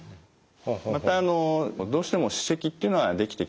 またどうしても歯石っていうのは出来てきてしまいます。